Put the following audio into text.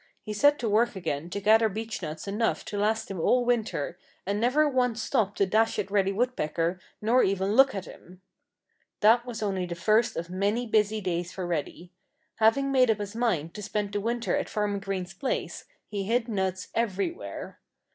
He set to work again to gather beechnuts enough to last him all winter and never once stopped to dash at Reddy Woodpecker nor even look at him. That was only the first of many busy days for Reddy. Having made up his mind to spend the winter at Farmer Green's place he hid nuts everywhere.